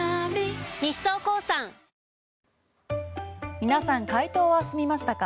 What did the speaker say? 皆さん、回答は済みましたか。